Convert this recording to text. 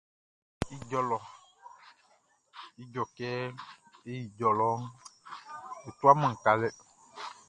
Ijɔ lɔ Ijɔ kɛ e ijɔ lɔ e tuaman sika.